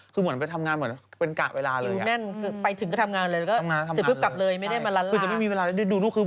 คือเหมือนไปทำงานเหมือนเป็นกะเวลาเลย